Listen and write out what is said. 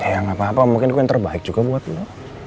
ya gapapa mungkin gue yang terbaik juga buat lo